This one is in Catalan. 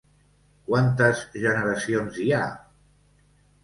Quantes generacions hi ha?